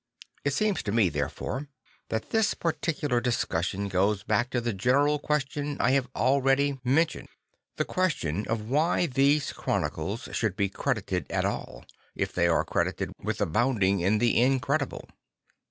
It seems to me, therefore, that this particular discussion goes back to the general question I have already 166 St. Francis oj Assisi mentioned; the question of why these chronicles should be credited at all, if they are credited \vith abounding in the incredible.